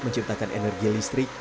menciptakan energi listrik